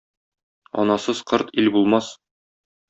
Анасыз корт ил булмас.